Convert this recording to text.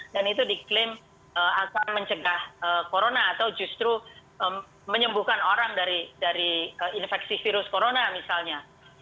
dan itu diklaim akan mencegah corona atau justru menyembuhkan orang dari infeksi virus corona misalnya